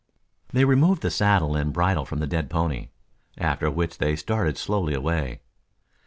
They removed the saddle and bridle from the dead pony, after which they started slowly away.